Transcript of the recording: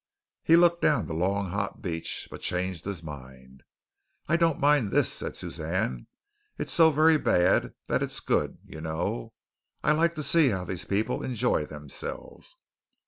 He looked down the long hot beach, but changed his mind. "I don't mind this," said Suzanne. "It's so very bad that it's good, you know. I like to see how these people enjoy themselves."